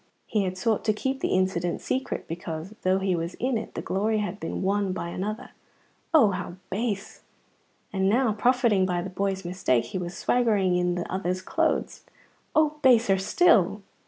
He had sought to keep the incident secret because, though he was in it, the glory had been won by another (oh, how base!), and now, profiting by the boy's mistake, he was swaggering in that other's clothes (oh, baser still!).